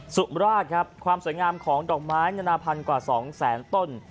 สุมราชครับความสวยงามของดอกไม้นานาพันธุ์กว่า๒แสนต้น